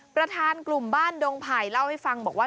ประธานกลุ่มบ้านดงไผ่เล่าให้ฟังบอกว่า